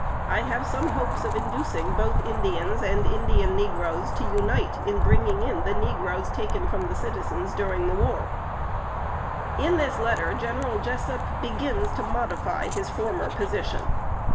I have some hopes of inducing both Indians and Indian negroes to unite in bringing in the negroes taken from the citizens during the war." In this letter, General Jessup begins to modify his former position.